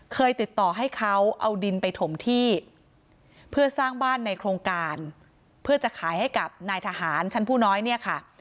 เคยติดต่อให้เขาเอาดินไปถมที่เพื่อสร้างบ้านในโครงการเพื่อจะขายให้กับนายทหารชั้นผู้น้อยเนี่ยค่ะ